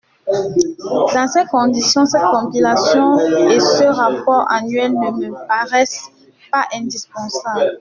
Dans ces conditions, cette compilation et ce rapport annuel ne me paraissent pas indispensables.